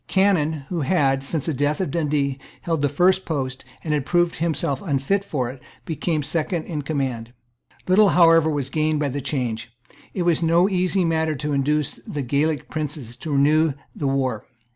Cannon, who had, since the death of Dundee, held the first post and had proved himself unfit for it, became second in command. Little however was gained by the change. It was no easy matter to induce the Gaelic princes to renew the war.